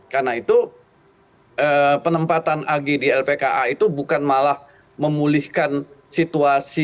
karena itu penempatan agh di lpka itu bukan malah memulihkan situasi